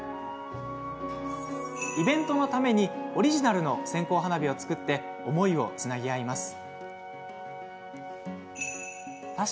イベントのためにオリジナルの線香花火を作り思いをつなぎ合います。